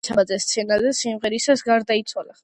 გიორგი ცაბაძე სცენაზე, სიმღერისას გარდაიცვალა.